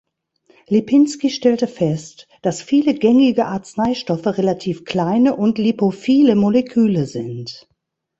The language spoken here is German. Lipinski stellte fest, dass viele gängige Arzneistoffe relativ kleine und lipophile Moleküle sind.